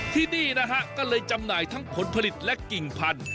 ที่นี่นะฮะก็เลยจำหน่ายทั้งผลผลิตและกิ่งพันธุ